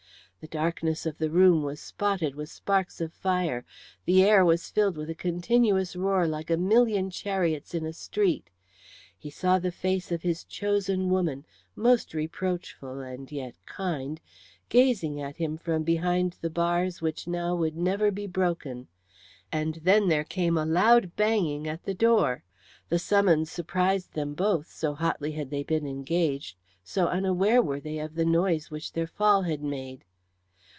The darkness of the room was spotted with sparks of fire; the air was filled with a continuous roar like a million chariots in a street. He saw the face of his chosen woman, most reproachful and yet kind, gazing at him from behind the bars which now would never be broken, and then there came a loud banging at the door. The summons surprised them both, so hotly had they been engaged, so unaware were they of the noise which their fall had made.